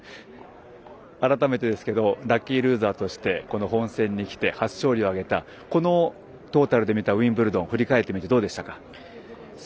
改めてですけどラッキールーザーとして本戦にきて初勝利を挙げたこのトータルで見たウィンブルドン振り返ってみてどうでしたか。